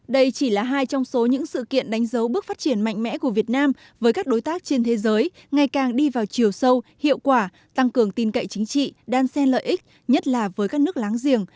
đây chỉ là hai trong số những sự kiện đánh dấu bước phát triển mạnh mẽ của việt nam với các đối tác trên thế giới ngày càng đi vào chiều sâu hiệu quả tăng cường tin cậy chính trị đan xen lợi ích nhất là với các nước láng giềng